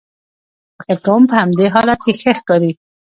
فکر کوم په همدې حالت کې ښه ښکارې.